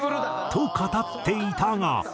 と語っていたが。